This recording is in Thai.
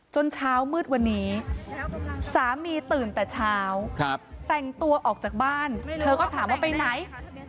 เช้ามืดวันนี้สามีตื่นแต่เช้าแต่งตัวออกจากบ้านเธอก็ถามว่าไปไหน